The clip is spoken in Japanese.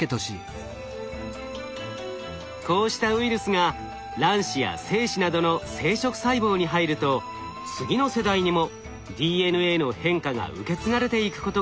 こうしたウイルスが卵子や精子などの生殖細胞に入ると次の世代にもＤＮＡの変化が受け継がれていくことがあるといいます。